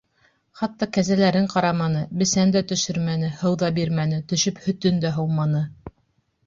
Хатта кәзәләрен ҡараманы, бесән дә төшөрмәне, һыу ҙа бирмәне, төшөп һөтөн дә һауманы.